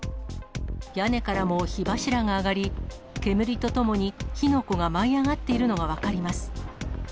屋根からも火柱が上がり、煙とともに火の粉が舞い上がっているのが分かります。